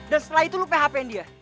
dan setelah itu lo php in dia